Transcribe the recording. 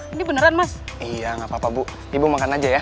ini beneran mas iya nggak apa apa bu ibu makan aja ya